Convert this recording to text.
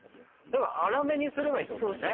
粗めにすればいいってことだよね？